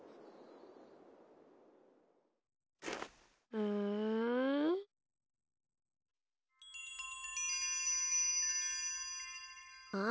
うん？あっ。